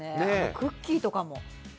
クッキーとかも。